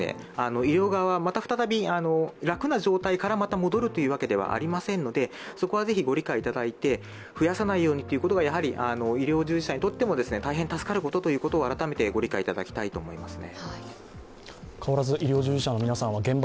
医療側は、また再び楽な状態から戻るというわけではありませんのでそこはぜひご理解いただいて、増やさないようにということがやはり医療従事者にとっても大変助かることということを改めてご理解いただきたいと思いますね。